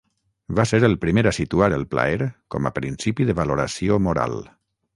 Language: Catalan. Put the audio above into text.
Va ser el primer a situar el plaer com a principi de valoració moral.